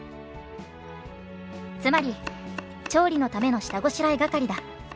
つまり調理のための下ごしらえ係だ」。